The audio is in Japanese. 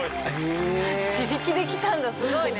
自力で来たんだすごいね。